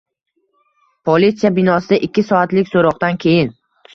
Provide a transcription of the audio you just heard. Politsiya binosida ikki soatlik so‘roqdan keyin